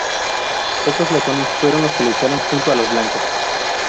Pocos letones fueron los que lucharon junto a los blancos.